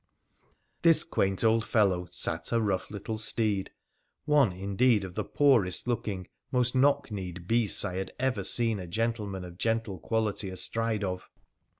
This quaint old fellow sat a rough little steed, one, indeed, of the poorest looking, most knock kneed beasts I had ever seen a gentleman of gentle quality astride of.